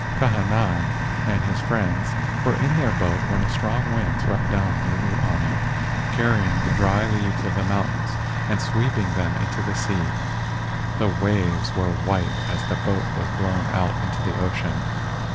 Kahanai and his friends were in their boat when a strong wind swept down Nuuanu, carry¬ ing the dry leaves of the mountains and sweep¬ ing them into the sea. The waves were white as the boat was blown out into the ocean.